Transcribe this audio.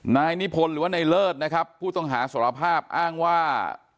นายนิพนธ์หรือว่าในเลิศนะครับผู้ต้องหาสารภาพอ้างว่า